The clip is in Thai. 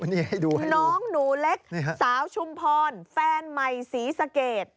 นี่ให้ดูน้องหนูเล็กสาวชุมพรแฟนใหม่ศรีสะเกด